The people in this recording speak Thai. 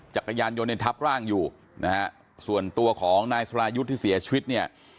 จักรยานยนต์ในทับร่างอยู่นะฮะส่วนตัวของนายสรายุทธ์ที่เสียชีวิตเนี่ย